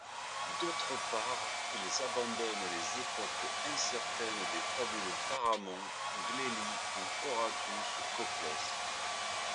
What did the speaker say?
D’autre part, ils abandonnent les époques incertaines des fabuleux Pharamond, Glélie ou Horatius Coclès.